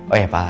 oh ya pak